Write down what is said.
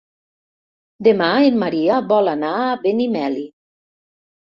Demà en Maria vol anar a Benimeli.